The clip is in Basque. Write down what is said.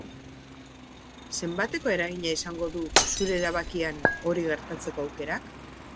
Zenbateko eragina izango du zure erabakian hori gertatzeko aukerak?